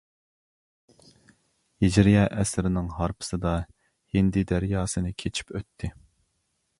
ھىجرىيە ئەسىرنىڭ ھارپىسىدا ھىندى دەرياسىنى كېچىپ ئۆتتى.